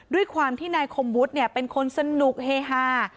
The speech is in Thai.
ด้วยความที่นายคมวุฒิเป็นคนสนุกเฮฮา